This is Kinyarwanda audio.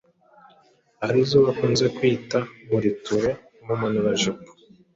arizo bakunze kwita, Muriture, Umumanurajipo,